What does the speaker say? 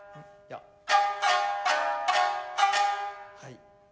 はい。